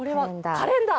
カレンダー。